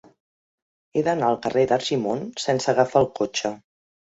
He d'anar al carrer d'Argimon sense agafar el cotxe.